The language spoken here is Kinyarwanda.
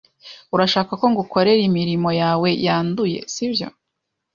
Urashaka ko ngukorera imirimo yawe yanduye, sibyo?